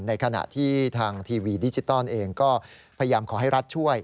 ในขณะที่ทางทีวีดิจิตอลเองก็พยายามขอให้รัฐช่วย